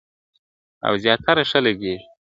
او زیاتره ښه لګیږي !.